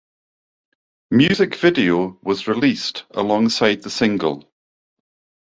Music video was released alongside the single.